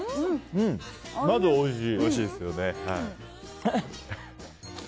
うん、まずおいしい。